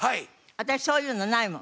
私そういうのないもん。